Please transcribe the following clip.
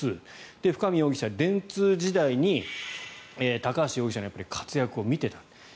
深見容疑者は電通時代に高橋容疑者の活躍を見ていた。